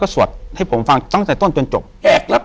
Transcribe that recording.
อยู่ที่แม่ศรีวิรัยิลครับ